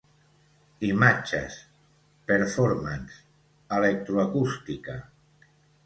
Imatges, Performance, Electroacústica.